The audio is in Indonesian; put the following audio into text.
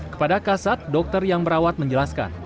kepada kasat dokter yang merawat menjelaskan